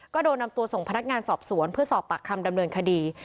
ก็โดนนำตัวส่งพนักงานสอบสวนเพื่อสอบปากคำดำเนินคดี